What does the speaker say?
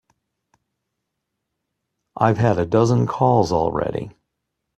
I've had a dozen calls already.